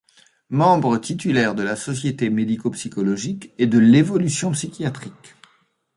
Membre titulaire de la Société médico-psychologique et de L'Évolution psychiatrique.